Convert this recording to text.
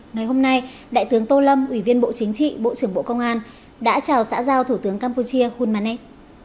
ngày hôm nay đại tướng tô lâm ủy viên bộ chính trị bộ trưởng bộ công an đã chào xã giao thủ tướng campuchia hulmanet